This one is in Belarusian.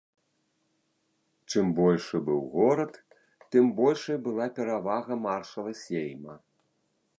Чым большы быў горад, тым большай была перавага маршала сейма.